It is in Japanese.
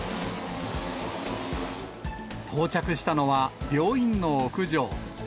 到着したのは病院の屋上。